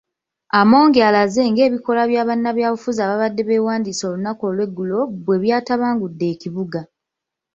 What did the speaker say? Amongi alaze ng'ebikolwa bya bannabyabufuzi ababadde beewandiisa olunaku lw'eggulo bwebyatabangudde ekibuga.